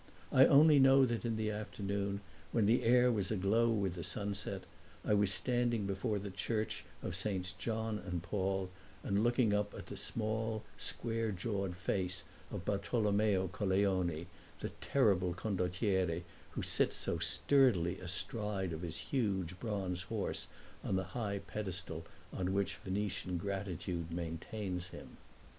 I only know that in the afternoon, when the air was aglow with the sunset, I was standing before the church of Saints John and Paul and looking up at the small square jawed face of Bartolommeo Colleoni, the terrible condottiere who sits so sturdily astride of his huge bronze horse, on the high pedestal on which Venetian gratitude maintains him.